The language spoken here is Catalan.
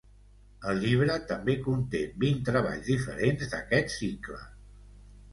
El llibre també conté vint treballs diferents d"aquest cicle.